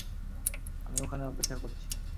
আমি ওখানে অপেক্ষা করছি।